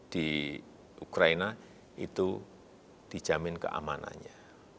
di ukraina itu dijamin keamanannya